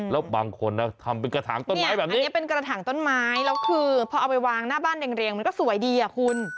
แล้วบางคนนะทำเป็นกระถางต้นไม้แบบนี้อันนี้เป็นกระถางต้นไม้แล้วคือพอเอาไปวางหน้าบ้านเรียงมันก็สวยดีอ่ะคุณ